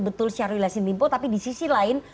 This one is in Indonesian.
betul syarwila sinlimpo tapi di sisi lain